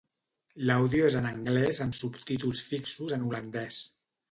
L'àudio és en anglès amb subtítols fixos en holandès.